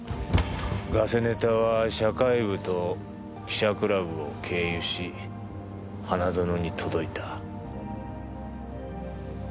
ガセネタは社会部と記者クラブを経由し花園に届いた。